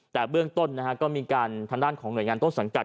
แต่เบื้องต้นก็มีการทางด้านของหน่วยงานต้นสังกัด